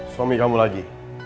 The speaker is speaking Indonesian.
suami kamu lagi